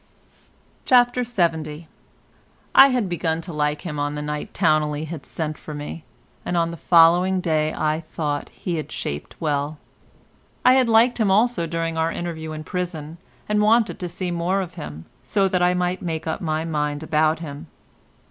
CHAPTER LXX I had begun to like him on the night Towneley had sent for me, and on the following day I thought he had shaped well. I had liked him also during our interview in prison, and wanted to see more of him, so that I might make up my mind about him.